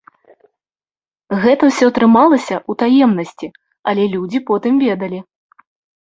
Гэта ўсё трымалася ў таемнасці, але людзі потым ведалі.